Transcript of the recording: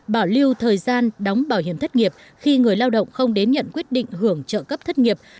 ba bảo lưu thời gian đóng bảo hiểm thất nghiệp khi người lao động không đến nhận quyết định hưởng trợ cấp thất nghiệp